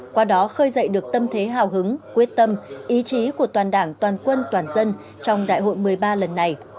qua đó khơi dậy được tâm thế hào hứng quyết tâm ý chí của toàn đảng toàn quân toàn dân trong đại hội một mươi ba lần này